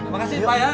makasih ya bang ya